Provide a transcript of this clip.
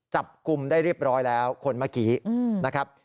จับกลุ่มได้เรียบร้อยแล้วคนเมื่อกี้นะครับ